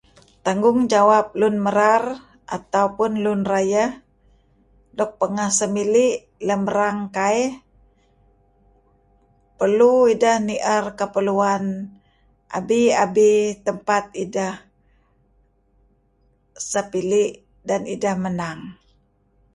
Tanggungjawap lun merar atau pun lun rayeh luk pengeh semili' lem erang kaih perlu ideh ni'er keperluan abi-abi tempat ideh sepili' dan ideh menang.